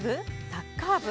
サッカー部？